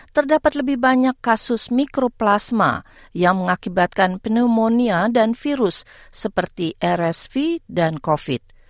terdapat lebih banyak kasus mikroplasma yang mengakibatkan pneumonia dan virus seperti rsv dan covid